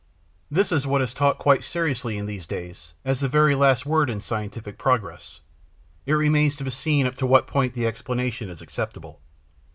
This is what is taught quite seriously, in these days, as the very last word in scientific progress. It remains to be seen up to what point the explanation is acceptable.